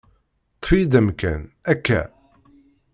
Ṭṭef-iyi-d amkan, akka?